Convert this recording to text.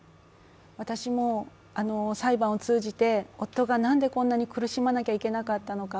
私も裁判を通じて夫が何でこんなに苦しまなきゃいけなかったのか